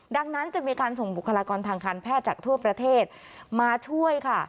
ดังนั้นจะมีการส่งบุคลากรทางการแพทย์จากทั่วประเทศมาช่วยค่ะ